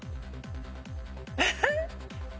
えっ。